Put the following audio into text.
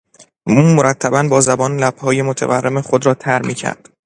او مرتبا با زبان لبهای متورم خود را تر میکرد.